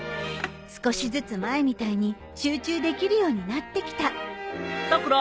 少しずつ前みたいに集中できるようになってきた・さくら。